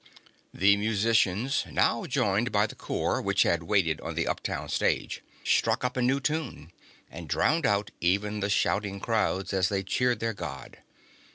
The musicians, now joined by the corps which had waited on the uptown stage, struck up a new tune, and drowned out even the shouting crowds as they cheered their God.